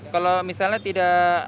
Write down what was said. kalau misalnya tidak